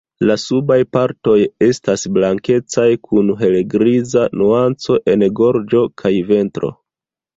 La subaj partoj estas blankecaj kun helgriza nuanco en gorĝo kaj ventro.